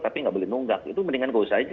tapi nggak boleh nunggak itu mendingan gak usah aja